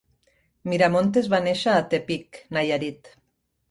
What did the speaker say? Miramontes va néixer a Tepic, Nayarit.